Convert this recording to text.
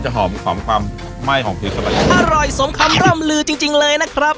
จะหอมความหมานของภีรสะบัดอร่อยสมความล่อมลือจริงจริงเลยนะครับ